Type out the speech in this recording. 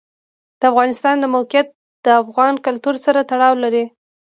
د افغانستان د موقعیت د افغان کلتور سره تړاو لري.